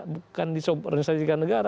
bukan disoborin sejarah negara